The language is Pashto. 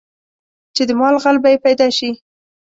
چې د مال غل به یې پیدا شي.